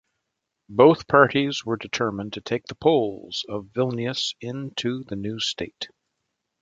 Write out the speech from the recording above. Both parties were determined to take the Poles of Vilnius into the new state.